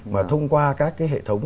mà thông qua các cái hệ thống